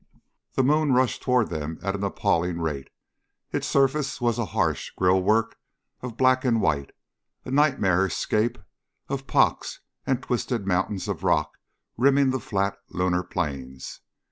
The moon rushed toward them at an appalling rate. Its surface was a harsh grille work of black and white, a nightmarish scape of pocks and twisted mountains of rock rimming the flat lunar plains.